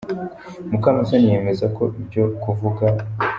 Mukamusoni yemeza ko ibyo kuvuga.